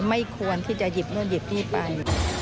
ไม่ควรที่จะหยิบนู่นหยิบนี่ไป